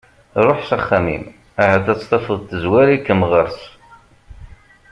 Ruḥ s axxam-im ahat ad tt-tafeḍ tezwar-ikem ɣer-s.